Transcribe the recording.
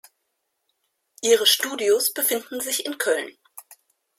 Ihre Studios befinden sich in Köln.